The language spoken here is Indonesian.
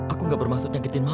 aku nggak bermaksud nyakitin mama